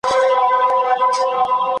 دلته دوږخ هلته دوږخ دی د خوارانو موري .